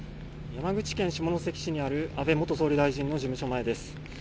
山口県下関市にある安倍元総理大臣の事務所前です。